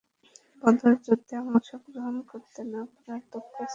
বদর যুদ্ধে অংশগ্রহণ করতে না পারার দুঃখ ছিল খালিদের।